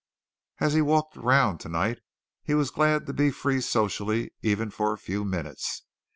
As he walked round tonight he was glad to be free socially even for a few minutes.